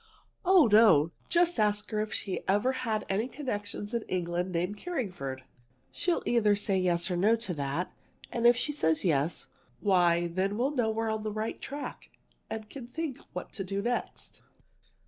"Oh, no! Just ask her if she ever had any connections in England named Carringford. She'll say either yes or no to that. And if she says yes, why then we'll know we are on the right track and can think what to do next."